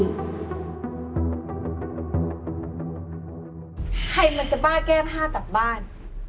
ใครมันจะบ้าแก้ผ้ากลับบ้าน